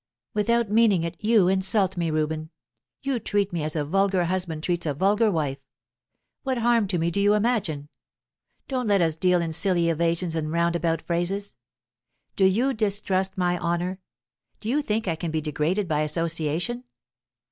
"Without meaning it, you insult me, Reuben. You treat me as a vulgar husband treats a vulgar wife. What harm to me do you imagine? Don't let us deal in silly evasions and roundabout phrases. Do you distrust my honour? Do you think I can be degraded by association?